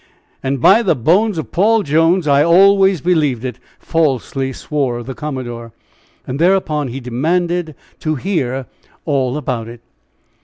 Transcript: "And by the bones of Paul Jones, I always believed it!" falsely swore the commodore; and thereupon he demanded to hear "all about it."